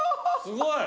すごい。